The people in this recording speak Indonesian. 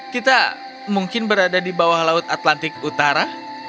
kita mungkin berada di bawah laut atlantik utara